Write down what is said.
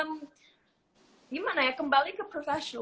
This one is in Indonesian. gimana ya kembali ke prestasi